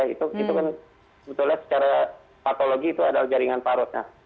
itu kan betulnya secara patologi itu adalah jaringan parut